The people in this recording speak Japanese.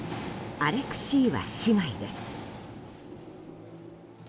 アレクシーワ姉妹です。